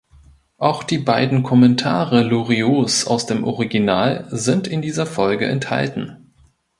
Auch die beiden Kommentare Loriots aus dem Original sind in dieser Folge enthalten.